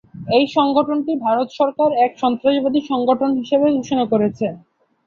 এই সংগঠনটি ভারত সরকার এক সন্ত্রাসবাদী সংগঠন বলে ঘোষণা করেছে।